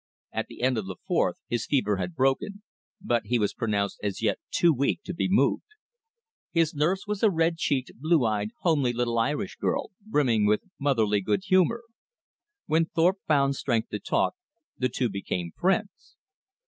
At the end of the fourth, his fever had broken, but he was pronounced as yet too weak to be moved. His nurse was a red cheeked, blue eyed, homely little Irish girl, brimming with motherly good humor. When Thorpe found strength to talk, the two became friends.